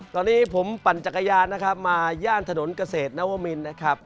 ตอนนี้ผมปั่นจักรยานนะครับมาย่านถนนเกษตรนวมินนะครับ